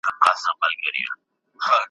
خاطرې په یاد لیکلی دی !.